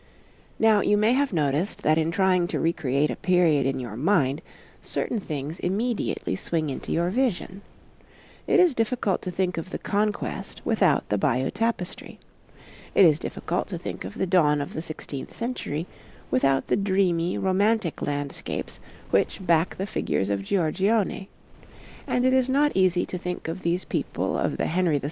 Now, you may have noticed that in trying to recreate a period in your mind certain things immediately swing into your vision: it is difficult to think of the Conquest without the Bayeux tapestry; it is difficult to think of the dawn of the sixteenth century without the dreamy, romantic landscapes which back the figures of Giorgione; and it is not easy to think of these people of the Henry VI.